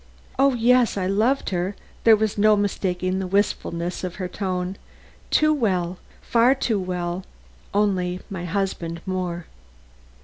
"O yes, I loved her." There was no mistaking the wistfulness of her tone. "Too well, far too well; only my husband more."